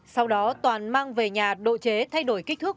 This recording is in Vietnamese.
sau đó toàn mang về nhà độ chế thay đổi kích thước